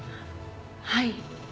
はい。